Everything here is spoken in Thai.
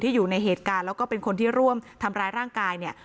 อยู่ในเหตุการณ์แล้วก็เป็นคนที่ร่วมทำร้ายร่างกายเนี่ย